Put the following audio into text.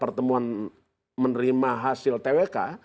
pertemuan menerima hasil twk